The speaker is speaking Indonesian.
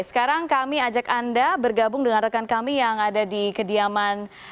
sekarang kami ajak anda bergabung dengan rekan kami yang ada di kediaman